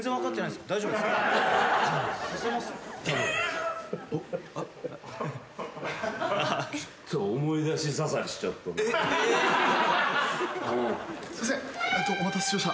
すいません。